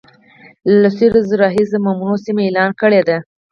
له لسیزو راهیسي ممنوع سیمه اعلان کړې ده